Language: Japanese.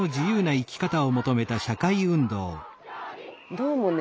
どうもね